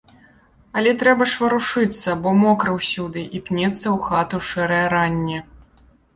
Але трэба ж варушыцца, бо мокра ўсюды, і пнецца ў хату шэрае ранне.